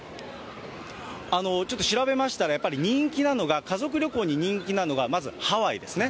ちょっと調べましたら、やっぱり人気なのが、家族旅行に人気なのがまずハワイですね。